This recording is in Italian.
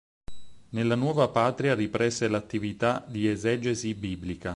Nella nuova patria riprese l'attività di esegesi biblica.